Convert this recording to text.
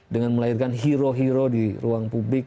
dengan melahirkan hero hero di ruang publik